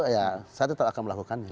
ya saya tetap akan melakukannya